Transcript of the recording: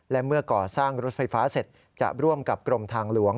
และเมื่อก่อสร้างรถไฟฟ้าเสร็จจะร่วมกับกรมทางหลวง